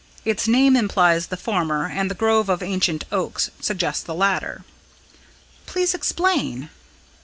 Its name implies the former, and the grove of ancient oaks suggests the latter." "Please explain."